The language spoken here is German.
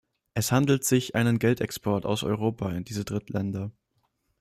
Es handelt sich einen Geldexport aus Europa in diese Drittländer.